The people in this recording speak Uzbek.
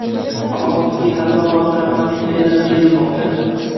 Aholi tibbiy xatlov va antropometriyadan o‘tkazilmoqda